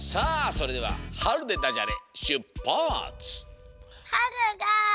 それでは「はる」でダジャレしゅっぱつ！